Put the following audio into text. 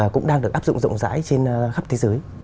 cũng đang được áp dụng rộng rãi trên khắp thế giới